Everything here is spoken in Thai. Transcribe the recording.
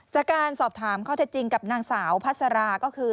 จากการสอบถามข้อเท็จจริงกับนางสาวพัสราก็คือ